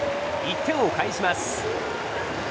１点を返します。